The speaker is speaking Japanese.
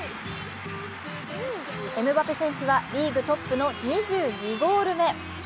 エムバペ選手はリーグトップの２２ゴール目。